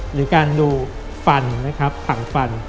หรือการดูฝั่งฟัน